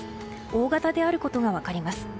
大型であることが分かります。